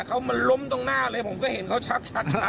เขามันล้มตรงหน้าเลยผมก็เห็นเขาชัก